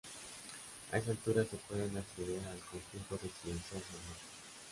A esta altura se puede acceder al Conjunto Residencial San Marcos.